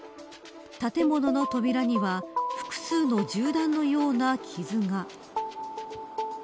建物の扉には複数の銃弾のような傷が。